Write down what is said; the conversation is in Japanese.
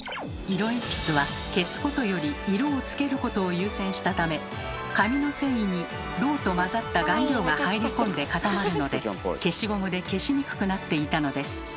色鉛筆は消すことより色をつけることを優先したため紙の繊維にロウと混ざった顔料が入り込んで固まるので消しゴムで消しにくくなっていたのです。